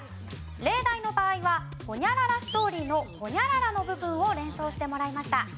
例題の場合はホニャララストーリーのホニャララの部分を連想してもらいました。